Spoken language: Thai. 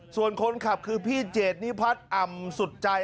ส่วนคนขับคือพี่เจดนิพัฒน์อ่ำสุดใจ